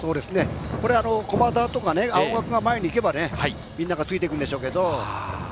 これ駒澤とか青学が前に行けばみんながついていくんでしょうけど。